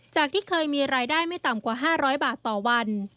ที่เคยมีรายได้ไม่ต่ำกว่า๕๐๐บาทต่อวัน